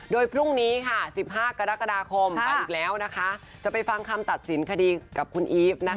โดยพรุ่งนี้ค่ะ๑๕กรกฎาคมไปอีกแล้วนะคะจะไปฟังคำตัดสินคดีกับคุณอีฟ